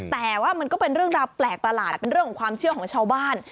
แต่ว่ามันก็เป็นเรื่องราวแปลกประหลาดเป็นเรื่องของความเชื่อของชาวบ้าน